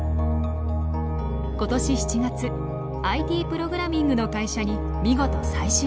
今年７月ＩＴプログラミングの会社に見事再就職。